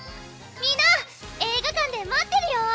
みんな映画館で待ってるよ！